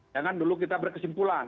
yang kan dulu kita berkesimpulan